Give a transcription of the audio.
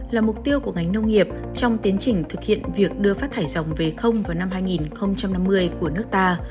là mục tiêu của ngành nông nghiệp trong tiến trình thực hiện việc đưa phát thải dòng về không vào năm hai nghìn năm mươi của nước ta